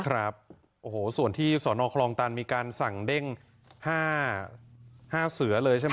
ครับโอ้โหส่วนที่สนคลองตันมีการสั่งเด้ง๕เสือเลยใช่ไหม